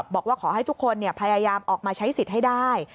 บอกว่าขอให้ทุกคนพยายามออกมาใช้สิทธิ์ให้ได้